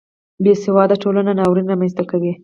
بې سواده ټولنه ناورین رامنځته کوي